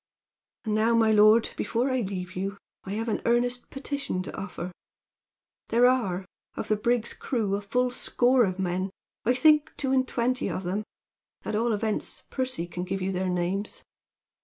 "And now, my lord, before I leave you, I have an earnest petition to offer. There are, of the brig's crew, a full score of men I think two and twenty of them at all events, Percy can give you their names."